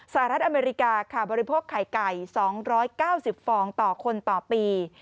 สหรัฐอเมริกาค่ะบริโภคไข่ไก่๒๙๐ฟองต่อคนต่อปี